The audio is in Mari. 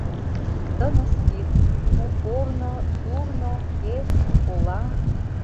Тыныс кид — у корно, шурно, ГЭС, ола…